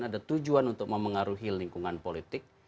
ada tujuan untuk memengaruhi lingkungan politik